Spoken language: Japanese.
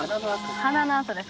鼻の跡です